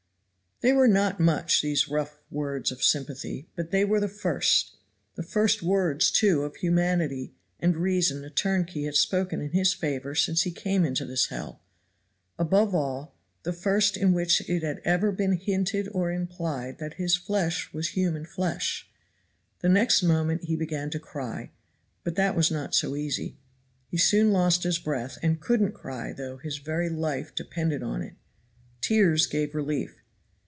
They were not much, these rough words of sympathy, but they were the first the first words, too, of humanity and reason a turnkey had spoken in his favor since he came into this hell. Above all, the first in which it had ever been hinted or implied that his flesh was human flesh. The next moment he began to cry, but that was not so easy. He soon lost his breath and couldn't cry though his very life depended on it. Tears gave relief.